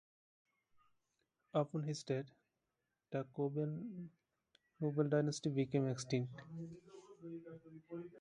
Upon his death, the Cobenzl noble dynasty became extinct.